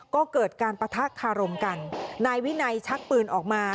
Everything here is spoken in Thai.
ก็เกิดการปะทะคารมกันนายวินัยชักปืนออกมา